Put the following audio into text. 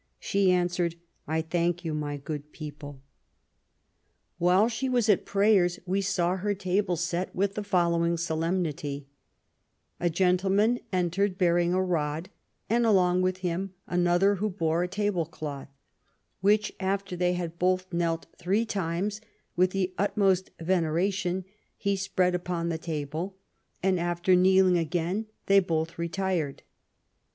' She answered :' I thank you, my good people *. LAST YEARS OF ELIZABETH. 283 " While she was at prayers we saw her table set with the following solemnity: A gentleman entered bearing a rod, and along with him another ) who bore a table cloth, which, after they had both knelt three times with the utmost veneration, he spread upon the table, and, after kneeling again, they both retired.